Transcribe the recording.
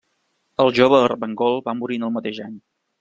El jove Ermengol va morir en el mateix any.